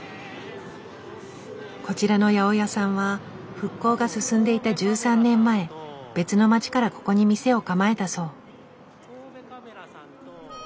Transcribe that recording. こちらの八百屋さんは復興が進んでいた１３年前別の街からここに店を構えたそう。